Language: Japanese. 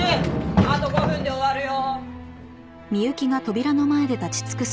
あと５分で終わるよ。